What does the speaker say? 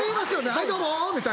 「はいどうも」みたいな。